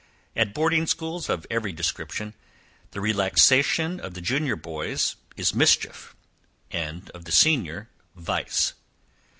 At boarding schools of every description, the relaxation of the junior boys is mischief; and of the senior, vice.